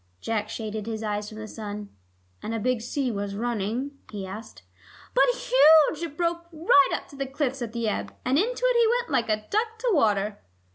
Jack shaded his eyes from the sun. "And a big sea was running?" he asked. "But huge. It broke right up to the cliffs at the ebb. And into it he went like a duck to water."